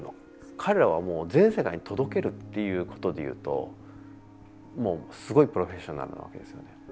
彼らは、もう全世界に届けるっていうことでいうともう、すごいプロフェッショナルなわけですね。